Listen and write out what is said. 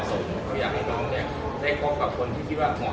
พบกันก็ไม่ได้เปิดอยากเปิดตัวกล้างน้ำ